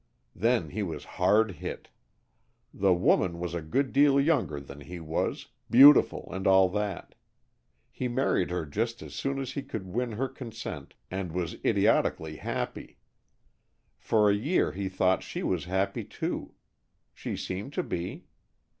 Then he was hard hit. The woman was a good deal younger than he was, beautiful, and all that. He married her just as soon as he could win her consent, and was idiotically happy. For a year he thought she was happy, too. She seemed to be.